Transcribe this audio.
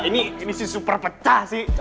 ini ini si super pecah sih